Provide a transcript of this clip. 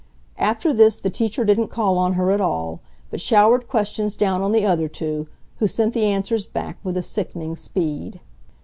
After this the teacher didn't call on her at all, but showered questions down on the other two, who sent the answers back with sickening speed.